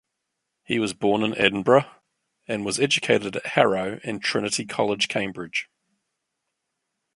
He was born in Edinburgh, and was educated at Harrow and Trinity College, Cambridge.